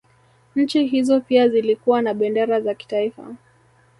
Nchi hizo pia zilikuwa na bendera za kitaifa